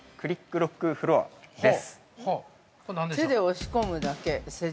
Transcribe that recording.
ロックフロアです。